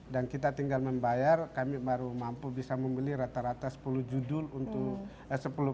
dan kita tinggal membayar kami baru mampu bisa membeli rata rata sepuluh judul untuk